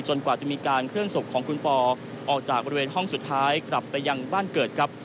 กว่าจะมีการเคลื่อนศพของคุณปอออกจากบริเวณห้องสุดท้ายกลับไปยังบ้านเกิดครับ